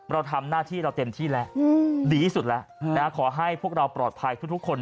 เราทำหน้าที่เราเต็มที่แล้วดีที่สุดแล้วขอให้พวกเราปลอดภัยทุกคน